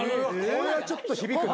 これはちょっと響くな。